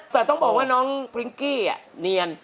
แต่ต้องบอกว่าน้องพริ้งกี้เนียน